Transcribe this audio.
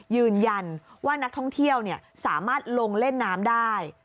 ยืนยันว่านักท่องเที่ยวสามารถลงเล่นน้ำได้